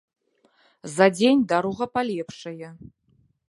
За дзень дарога палепшае.